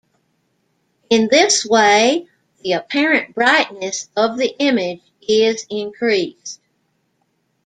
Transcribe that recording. In this way, the apparent brightness of the image is increased.